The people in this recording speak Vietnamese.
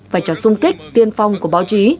và cho sung kích tiên phong của báo chí